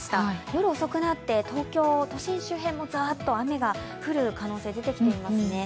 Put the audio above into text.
夜遅くなって東京都心周辺もざっと雨が降る可能性が出てきていますね。